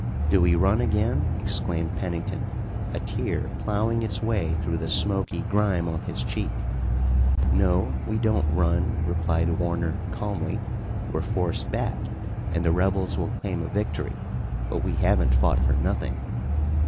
"Do we run again?" exclaimed Pennington, a tear ploughing its way through the smoky grime on his cheek. "No, we don't run," replied Warner calmly, "We're forced back, and the rebels will claim a victory but we haven't fought for nothing.